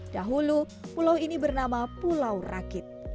dahulu pulau ini bernama pulau rakit